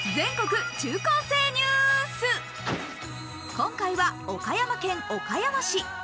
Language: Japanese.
今回は岡山県岡山市。